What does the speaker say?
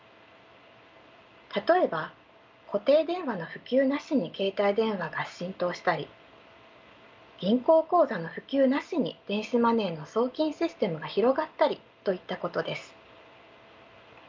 例えば固定電話の普及なしに携帯電話が浸透したり銀行口座の普及なしに電子マネーの送金システムが広がったりといったことです。